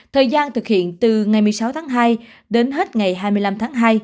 thời gian thực hiện từ ngày một mươi sáu tháng hai đến hết ngày hai mươi năm tháng hai